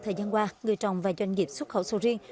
thời gian qua người trồng và doanh nghiệp xuất khẩu sầu riêng